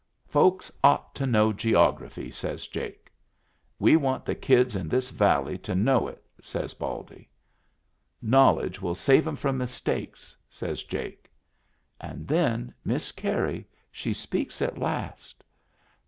" Folks ought to know geography," says Jake. "We want the kids in this valley to know it," says Baldy. " Knowledge will save 'em from mistakes," says Jake. And then Miss Carey she speaks at last.